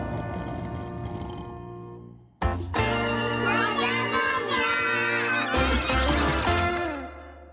もじゃもじゃ！